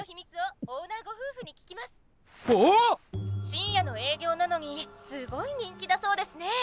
「深夜の営業なのにすごい人気だそうですね」。